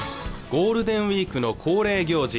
ゴールデンウィークの恒例行事